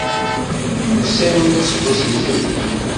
Myussanen aseggas yezrin.